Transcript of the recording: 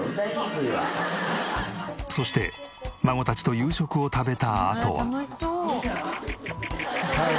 そして孫たちと夕食を食べたあとは。